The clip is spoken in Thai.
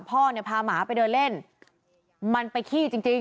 พ่อเนี่ยพาหมาไปเดินเล่นมันไปขี้จริงจริง